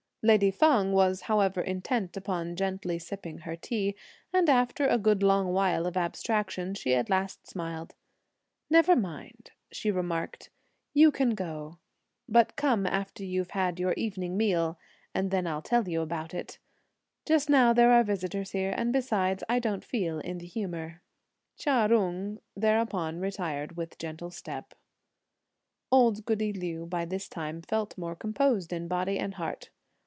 Lady Feng was however intent upon gently sipping her tea, and after a good long while of abstraction, she at last smiled: "Never mind," she remarked; "you can go. But come after you've had your evening meal, and I'll then tell you about it. Just now there are visitors here; and besides, I don't feel in the humour." Chia Jung thereupon retired with gentle step. Old goody Liu, by this time, felt more composed in body and heart.